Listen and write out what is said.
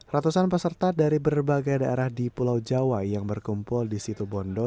ratusan peserta dari berbagai daerah di pulau jawa yang berkumpul di situ bondo